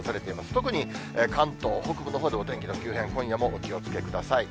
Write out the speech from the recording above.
特に関東北部のほうでお天気の急変、今夜もお気をつけください。